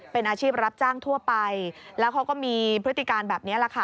เป็นอาชีพรับจ้างทั่วไปแล้วเขาก็มีพฤติการแบบนี้แหละค่ะ